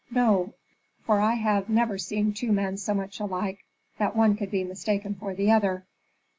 "No, for I have never seen two men so much alike that one could be mistaken for the other.